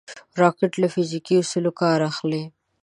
راکټ له فزیکي اصولو کار اخلي